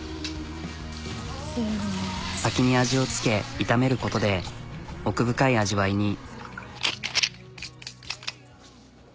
先に味をつけ炒めることで奥深い味わいに。